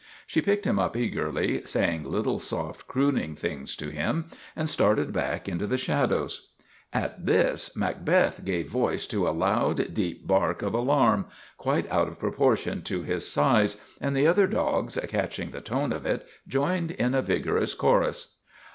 She picked him up eagerly, saying little soft, crooning things to him, and started back into the shadows. At this Macbeth gave voice to a loud, deep bark of alarm, quite out of proportion to his size, and the other dogs, catching the tone of it, joined in a vigor ous chorus.